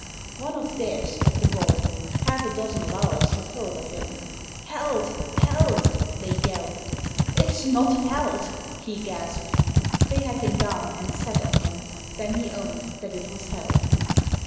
One of theirs had the ball. Half a dozen of ours had hold of him. "Heidi held!" they yelled. " It's not held," he gasped. They had him down, and sat on him. Then he owned that it was held.